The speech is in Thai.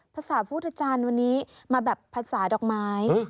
ภาษาพุทธจารย์วันนี้มาแบบภาษาดอกไม้